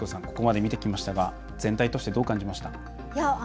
ここまで見てきましたが全体通してどう感じました？